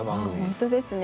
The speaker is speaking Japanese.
本当ですね。